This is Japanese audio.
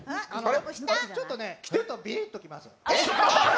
ちょっとねちょっとピリッときます。